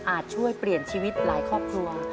ช่วยเปลี่ยนชีวิตหลายครอบครัว